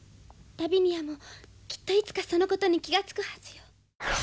「ラビニアもきっといつかそのことに気が付くはずよ」